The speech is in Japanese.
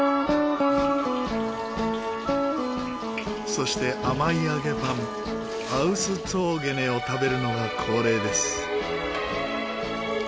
そして甘い揚げパンアウスツォーゲネを食べるのが恒例です。